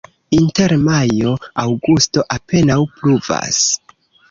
Inter majo-aŭgusto apenaŭ pluvas.